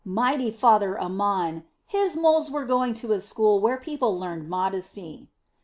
Mighty Father Amon! His moles were going to a school where people learned modesty!